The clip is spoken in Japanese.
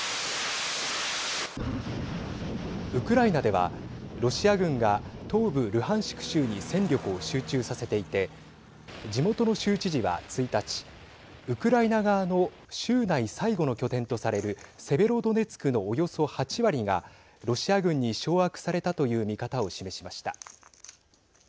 ウクライナではロシア軍が東部ルハンシク州に戦力を集中させていて地元の州知事は１日ウクライナ側の州内最後の拠点とされるセベロドネツクのおよそ８割がロシア軍に掌握されたという見方を示しました。